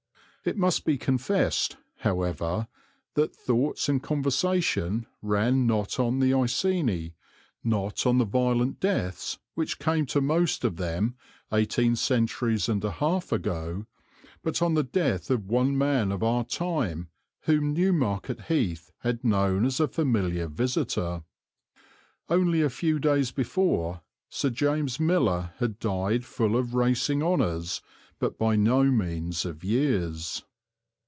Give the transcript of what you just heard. It must be confessed, however, that thoughts and conversation ran not on the Iceni, not on the violent deaths which came to most of them eighteen centuries and a half ago, but on the death of one man of our time whom Newmarket Heath had known as a familiar visitor. Only a few days before Sir James Miller had died full of racing honours, but by no means of years.